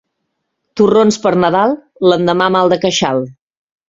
Torrons per Nadal, l'endemà mal de queixal.